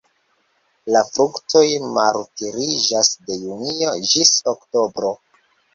La fruktoj maturiĝas de junio ĝis oktobro.